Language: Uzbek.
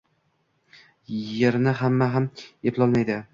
«Yerni hamma ham eplolmaydi».